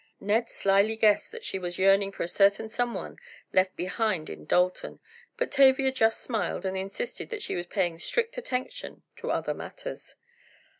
Ned slily guessed that she was yearning for a certain someone left behind in Dalton, but Tavia just smiled, and insisted that she was paying strict attention to other matters.